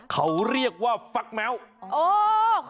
เขาเรียกว่าฟักแม้ว